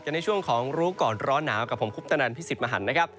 ในช่วงของรู้ก่อนร้อนหนาวกับผมคุปตนันพิสิทธิ์มหันนะครับ